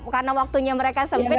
karena waktunya mereka sempit